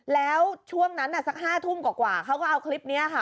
แล้วช่วงนั้นสัก๕ทุ่มกว่าเขาก็เอาคลิปนี้ค่ะ